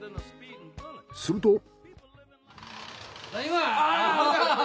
すると。